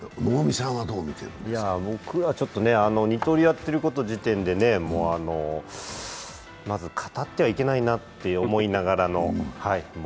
僕は二刀流やっている時点で、まず語ってはいけないなと思いながらの。